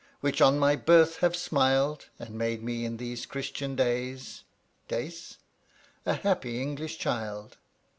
Which on my birth have smiled, And made me in these Christian days (dace?) A happy English child.